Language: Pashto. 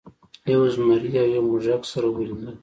یو زمري او یو موږک سره ولیدل.